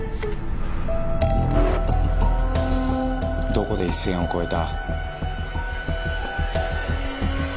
どこで一線を越えた？